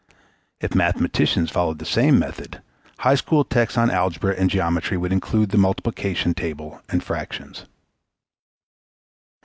If mathematicians followed the same method, high school texts on algebra and geometry would include the multiplication table and fractions.